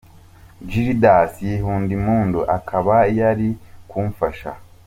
Gildas Yihundimpundu akaba yari ari kumufasha.